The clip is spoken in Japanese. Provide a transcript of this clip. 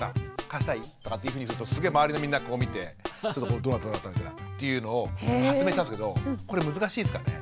貸したい？とかっていうふうにするとすげえ周りのみんながこう見てどうなったんだっていうのを発明したんですけどこれ難しいですかね？